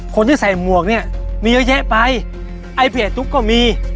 คนที่ใส่หมวกเนี่ยมีเยอะแยะไปไอ้พี่ไอ้ตุ๊กก็มี